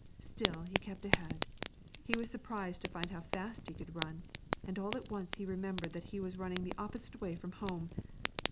Still he kept ahead. He was surprised to find how fast he could run, and all at once he remembered that he was running the opposite way from home.